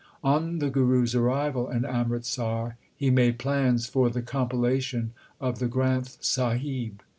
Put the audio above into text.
On the Guru s arrival in Amritsar, he made plans for the compilation of the Granth Sahib.